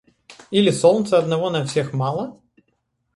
Или солнца одного на всех мало?!